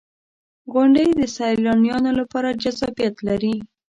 • غونډۍ د سیلانیانو لپاره جذابیت لري.